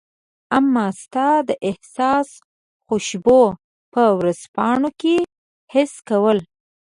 امه ستا د احساس خوشبو په ورځپاڼو کي حس کول